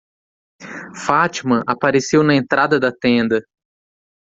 Fátima apareceu na entrada da tenda.